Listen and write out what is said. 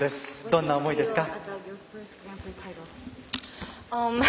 どんな思いですか？